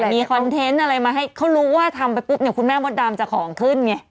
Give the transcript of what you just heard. มีคอนเทนต์อะไรมาให้เขารู้ว่าทำไปปุ๊บเนี่ยคุณแม่มดดำจะของขึ้นไง